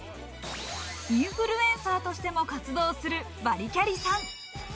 インフルエンサーとしても活動するバリキャリさん。